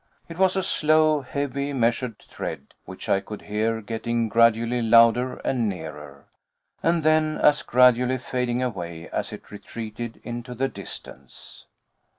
It was a slow, heavy, measured tread which I could hear getting gradually louder and nearer, and then as gradually fading away as it retreated into the distance.